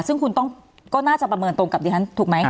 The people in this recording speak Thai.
ซึ่งคุณต้องก็น่าจะประเมินตรงกับดิฉันถูกไหม